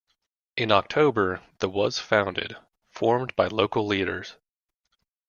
In October, the was founded, formed by local leaders.